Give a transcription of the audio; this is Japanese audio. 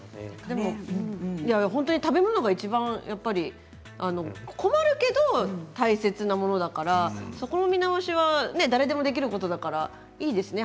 食べ物がいちばん困るけど大切なものだからそこの見直しは誰でもできることだからいいですね